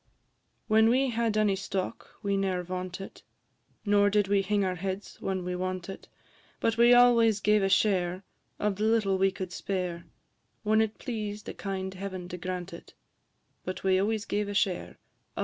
When we had any stock, we ne'er vauntit, Nor did we hing our heads when we wantit; But we always gave a share Of the little we could spare, When it pleased a kind Heaven to grant it; But we always gave a share, &c.